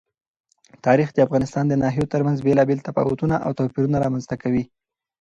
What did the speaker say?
تاریخ د افغانستان د ناحیو ترمنځ بېلابېل تفاوتونه او توپیرونه رامنځ ته کوي.